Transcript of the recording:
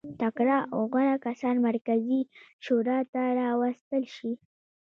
تکړه او غوره کسان مرکزي شورا ته راوستل شي.